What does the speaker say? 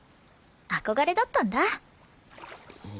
憧れだったんだ。